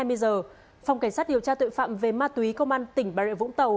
phòng cảnh sát điều tra tội phạm về ma túy công an tỉnh bà rịa vũng tàu